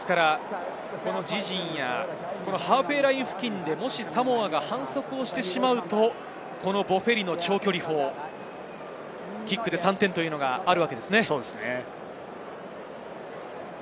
自陣やハーフウェイライン付近で、サモアが反則をしてしまうとボフェリの長距離砲、キックで３点があるわけですね。